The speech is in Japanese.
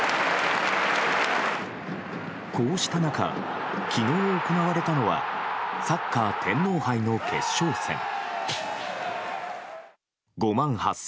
こうした中、昨日行われたのはサッカー天皇杯の決勝戦。